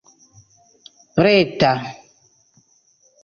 preta